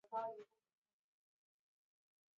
曾任国民党党团总召。